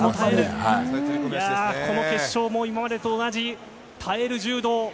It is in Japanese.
この決勝も、今までと同じ、耐える柔道。